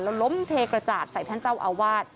แล้วล้มเทกระจาดใส่ท่านเจ้าอาวาส